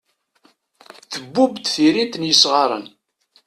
Tbubb-d tirint n yesɣaren.